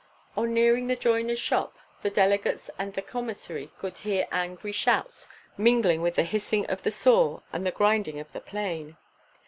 On nearing the joiner's shop, the delegates and the commissary could hear angry shouts mingling with the hissing of the saw and the grinding of the plane.